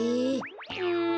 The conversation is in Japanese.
うん。